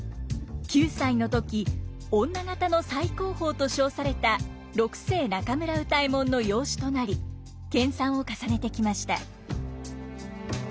９歳の時女方の最高峰と称された六世中村歌右衛門の養子となり研鑽を重ねてきました。